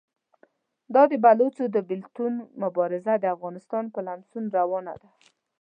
دا د بلوڅو د بېلتون مبارزه د افغانستان په لمسون روانه ده.